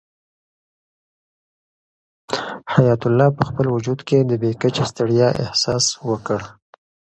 حیات الله په خپل وجود کې د بې کچې ستړیا احساس وکړ.